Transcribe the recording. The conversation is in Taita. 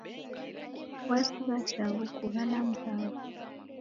Wasigha chaghu kaghala mzawo